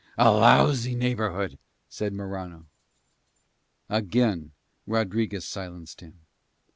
"A lousy neighbourhood," said Morano. Again Rodriguez silenced him.